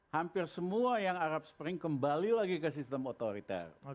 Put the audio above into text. hampir semua yang arab spring kembali lagi ke sistem otoriter